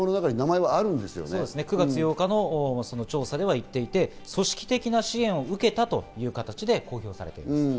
９月８日の調査では言っていて、組織的な支援を受けたという形で報道されています。